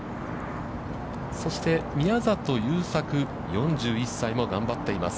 そして、宮里優作、４１歳も頑張っています。